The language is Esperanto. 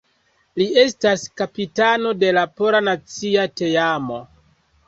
Li estas kapitano de pola nacia teamo.